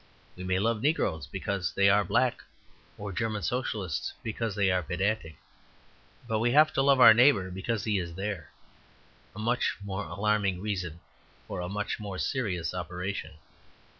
We may love negroes because they are black or German Socialists because they are pedantic. But we have to love our neighbour because he is there a much more alarming reason for a much more serious operation.